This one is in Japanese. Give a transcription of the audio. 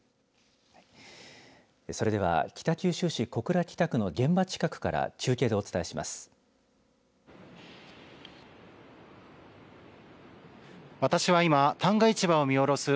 それでは北九州市小倉北区の現場近くから中継でお伝えします。